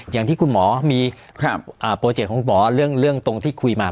อย่างที่คุณหมอมีโปรเจกต์ของคุณหมอเรื่องตรงที่คุยมา